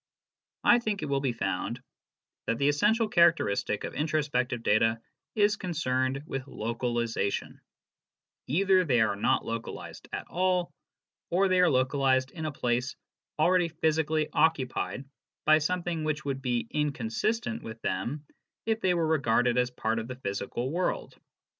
I think it will be found that the essential characteristic of introspective data is concerned with localization : either they are not localized at all, or they are localized in a place already physically occupied by something which would be inconsistent with them if they were regarded as part of the physical world.